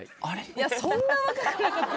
いやそんな若くなかった。